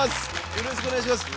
よろしくお願いします！